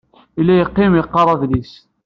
Yella yeqqim, yeqqar adlis.